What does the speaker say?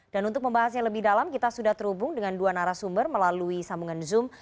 untuk membahasnya lebih dalam kita sudah terhubung dengan dua narasumber melalui sambungan zoom